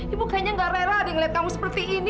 ibu kayaknya gak rela deh ngeliat kamu seperti ini